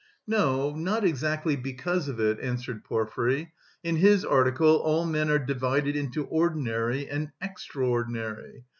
"No, not exactly because of it," answered Porfiry. "In his article all men are divided into 'ordinary' and 'extraordinary.